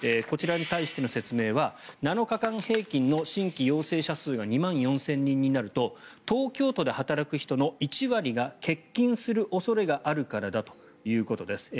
こちらに対しての説明は７日間平均の新規陽性者数が２万４０００人になると東京都で働く人の１割が欠勤する恐れがあるからだということです。